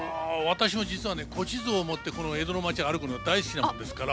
私も実はね古地図を持って江戸の町を歩くのが大好きなもんですから。